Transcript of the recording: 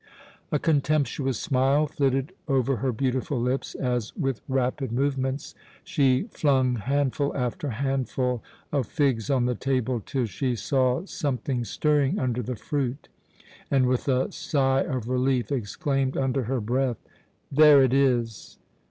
A contemptuous smile flitted over her beautiful lips as, with rapid movements, she flung handful after handful of figs on the table, till she saw some thing stirring under the fruit, and with a sigh of relief exclaimed under her breath: "There it is!"